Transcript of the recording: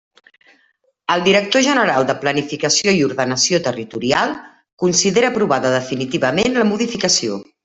El director general de Planificació i Ordenació Territorial considera aprovada definitivament la modificació.